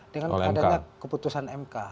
dengan keputusan mk